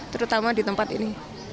terutama di tempat ini